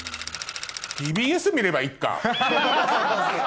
ＴＢＳ見ればいっか。